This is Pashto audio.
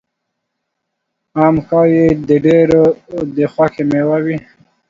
ام ښایي د ډېرو د خوښې مېوه وي.